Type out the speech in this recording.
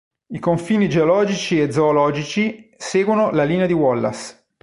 I confini geologici e zoologici seguono la linea di Wallace.